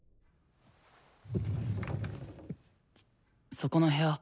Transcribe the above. そこの部屋。